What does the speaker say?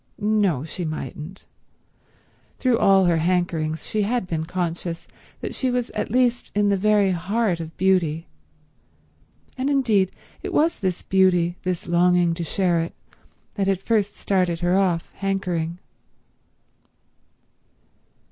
No, she mightn't; through all her hankerings she had been conscious that she was at least in the very heart of beauty; and indeed it was this beauty, this longing to share it, that had first started her off hankering.